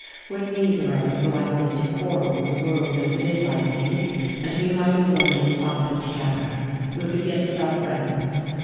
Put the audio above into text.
We're neither of us likely to quarrel with the world as it is, I think, and we might as well make fun of it together. We'll begin with our friends.